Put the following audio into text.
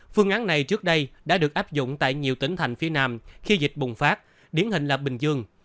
phương án này trước đây đã được áp dụng tại nhiều tỉnh thành phía nam khi dịch bùng phát điển hình là bình dương